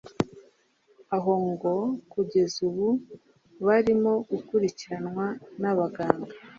aho ngo kugeza ubu barimo gukurikiranwa n’abaganga